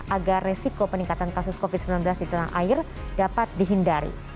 agar resiko peningkatan kasus covid sembilan belas di tanah air dapat dihindari